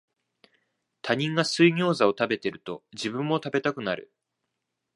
他人が水ギョウザを食べてると、自分も食べたくなる